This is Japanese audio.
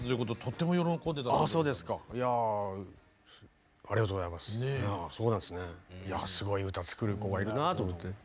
いやすごい歌作る子がいるなと思って。